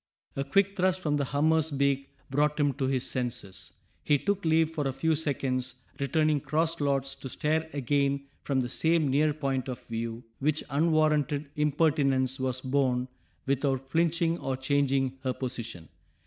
A quick thrust from the hummer's beak brought him to his senses; he took leave for a few seconds, returning cross lots to stare again from the same near point of view, which unwarranted impertinence was borne without flinching or changing her position.